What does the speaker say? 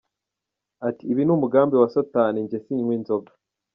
Ati “Ibi ni umugambi wa satani, njye sinywa inzoga.